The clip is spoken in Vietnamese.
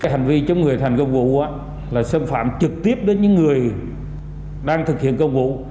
hành vi chống người thành công vụ là xâm phạm trực tiếp đến những người đang thực hiện công vụ